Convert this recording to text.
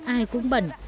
ai cũng bẩn